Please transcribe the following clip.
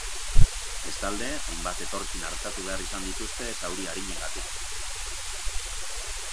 Bestalde, hainbat etorkin artatu behar izan dituzte zauri arinengatik.